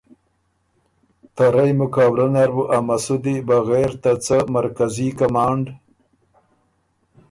ته رئ مقابلۀ نر بُو ا مسُودی بغېر ته څۀ مرکزي کمانډ